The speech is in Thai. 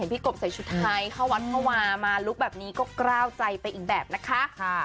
เห็นพี่กบใส่ชุดไทยเข้าวันเมื่อวานมาลุกแบบนี้ก็กล้าวใจไปอีกแบบนะคะค่ะ